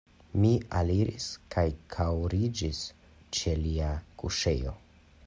Mi aliris kaj kaŭriĝis ĉe lia kuŝejo.